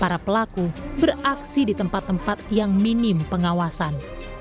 para pelaku beraksi di tempat tempat yang minim pengawasan